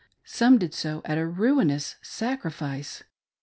Some did so at a ruinous sacrifice.